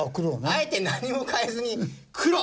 あえて何も変えずに黒！